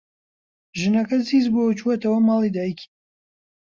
ژنەکە زیز بووە و چۆتەوە ماڵی دایکی.